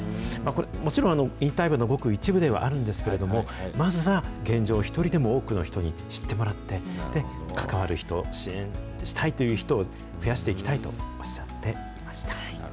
これ、もちろん、引退馬のごく一部ではあるんですが、まずは、現状を一人でも多くの人に知ってもらって、関わる人、支援する人を増やしていきたいとおっしゃっていました。